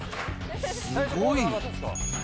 すごいよ。